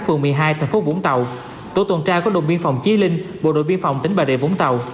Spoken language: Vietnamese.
phường một mươi hai thành phố vũng tàu tổ tuần tra của đồn biên phòng chí linh bộ đội biên phòng tỉnh bà rệ vũng tàu